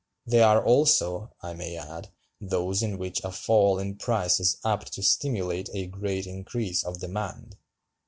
They are also, I may add, those in which a fall in price is apt to stimulate a great increase of demand.